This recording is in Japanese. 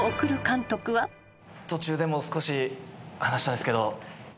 途中で少し話したんですけど。